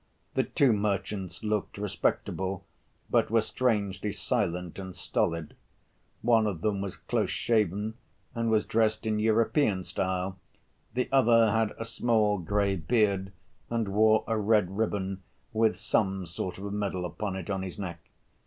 The two merchants looked respectable, but were strangely silent and stolid. One of them was close‐shaven, and was dressed in European style; the other had a small, gray beard, and wore a red ribbon with some sort of a medal upon it on his neck.